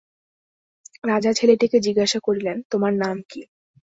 রাজা ছেলেটিকে জিজ্ঞাসা করিলেন, তোমার নাম কী?